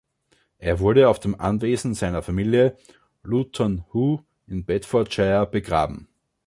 Er wurde auf dem Anwesen seiner Familie, Luton Hoo in Bedfordshire, begraben.